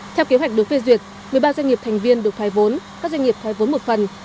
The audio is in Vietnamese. theo kế hoạch được phê duyệt một mươi ba doanh nghiệp thành viên được thoái vốn các doanh nghiệp thoái vốn một phần